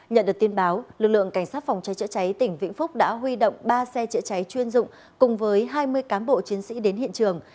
nhận được tin báo lực lượng cảnh sát phòng cháy chữa cháy tỉnh vĩnh phúc đã huy động ba xe chữa cháy chuyên dụng cùng với hai mươi cán bộ chiến sĩ đến hiện trường